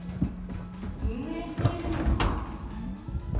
運営しているのは。